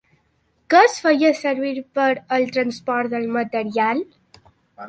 Què es feia servir per al transport del material?